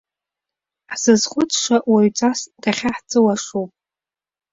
Ҳзызхәыцша, уаҩҵас дахьаҳҵәуашоуп.